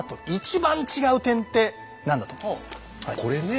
これね